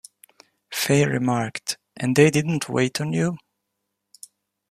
Fay remarked, And they didn't wait on you?